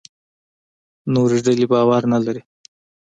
نورې ډلې باور نه لري.